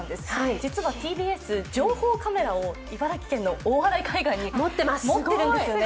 実はＴＢＳ、情報カメラを茨城県の大洗海岸に持ってるんですよね。